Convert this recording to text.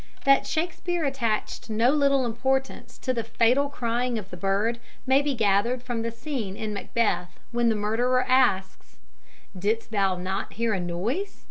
That Shakespeare attached no little importance to the fatal crying of the bird may be gathered from the scene in Macbeth, when the murderer asks: "Didst thou not hear a noise?"